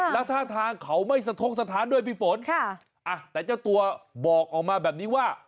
แล้วท่าทางเขาไม่สะทกสถานด้วยพี่ฝนค่ะอ่ะแต่เจ้าตัวบอกออกมาแบบนี้ว่า